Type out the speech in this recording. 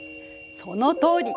そのとおり。